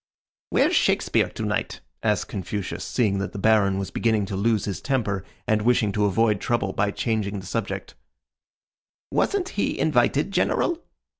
"Where's Shakespeare to night?" asked Confucius, seeing that the Baron was beginning to lose his temper, and wishing to avoid trouble by changing the subject. "Wasn't he invited, General?"